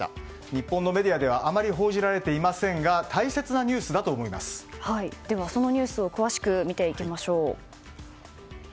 日本のメディアではあまり報じられていませんがでは、そのニュースを詳しく見ていきましょう。